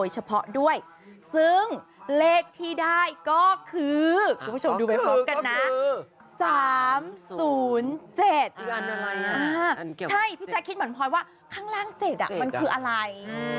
ใช่พี่แจ๊คคิดเหมือนพลอยว่าข้างล่าง๗มันคืออะไร